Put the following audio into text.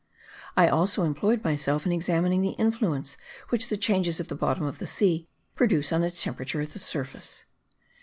I also employed myself in examining the influence which the changes at the bottom of the sea produce on its temperature at the surface.